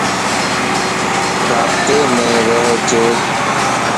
رابطيم رھيج